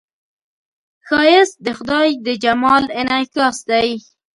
ښایست د خدای د جمال انعکاس دی